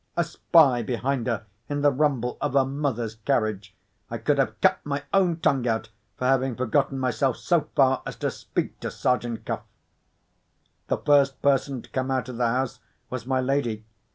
A spy behind her in the rumble of her mother's carriage! I could have cut my own tongue out for having forgotten myself so far as to speak to Sergeant Cuff. The first person to come out of the house was my lady.